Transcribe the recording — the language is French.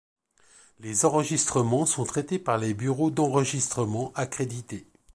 Les enregistrements sont traités par les bureaux d'enregistrement accrédités.